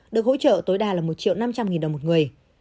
được hỗ trợ tối đa là một năm trăm linh đồng một người